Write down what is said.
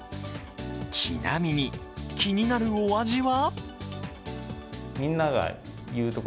ちなみに、気になるお味は？